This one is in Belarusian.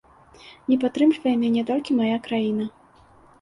Не падтрымлівае мяне толькі мая краіна.